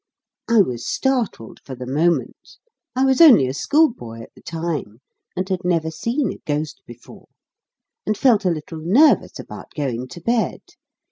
I was startled for the moment I was only a schoolboy at the time, and had never seen a ghost before, and felt a little nervous about going to bed.